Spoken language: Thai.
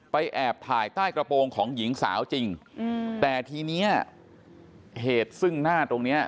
แอบถ่ายใต้กระโปรงของหญิงสาวจริงแต่ทีเนี้ยเหตุซึ่งหน้าตรงเนี้ย